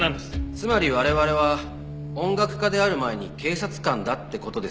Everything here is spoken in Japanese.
つまり我々は音楽家である前に警察官だって事ですよね。